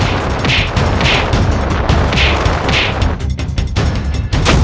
dan ini yang sekarang